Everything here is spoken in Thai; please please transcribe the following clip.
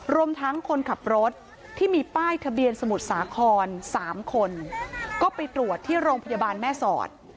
รวมทั้งคนขับรถที่มีป้ายทะเบียนสมุทรสาคร๓คนก็ไปตรวจที่โรงพยาบาลแม่สอด